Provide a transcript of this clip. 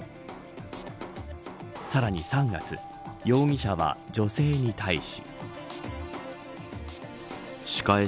さらに、３月容疑者は女性に対し。